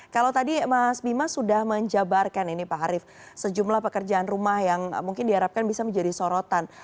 kalau tadi mas bima sudah menjabarkan ini pak harif sejumlah pekerjaan rumah yang mungkin diharapkan bisa menjadi sorotan